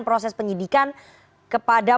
proses penyidikan kepada